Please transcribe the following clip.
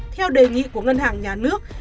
theo đề nghị của ngân hàng nhà nước